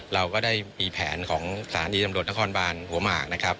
เราก็ได้มีแผนของสถานีตำรวจนครบานหัวหมากนะครับ